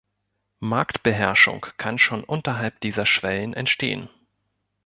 Marktbeherrschung kann schon unterhalb dieser Schwellen entstehen.